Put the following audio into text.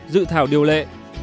hai dự thảo điều lệ